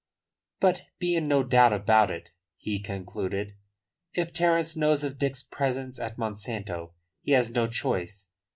"But be in no doubt about it," he concluded. "If Terence knows of Dick's presence at Monsanto he has no choice.